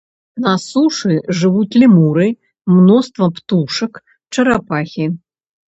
На сушы жывуць лемуры, мноства птушак, чарапахі.